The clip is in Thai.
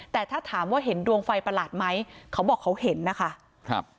แต่ถ้าถามว่าเห็นดวงไฟประหลาดไหมเขาบอกเขาเห็นนะคะครับ